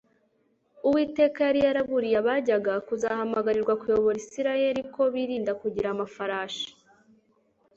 uwiteka yari yaraburiye abajyaga kuzahamagarirwa kuyobora isirayeli ko birinda kugira amafarashi